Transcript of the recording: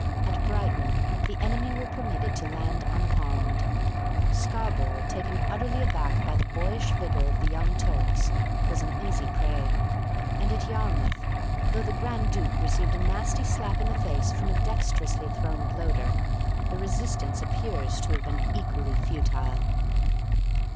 At Brighton the enemy were permitted to land unharmed. Scarborough, taken utterly aback by the boyish vigour of the Young Turks, was an easy prey; and at Yarmouth, though the Grand Duke received a nasty slap in the face from a dexterously thrown bloater, the resistance appears to have been equally futile.